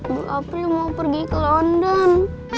bu april mau pergi ke london